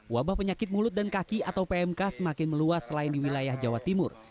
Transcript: wabah penyakit mulut dan kaki atau pmk semakin meluas selain di wilayah jawa timur